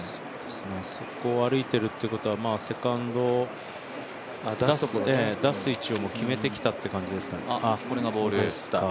あそこを歩いているということはセカンド、出す位置をもう決めてきたという感じですかね。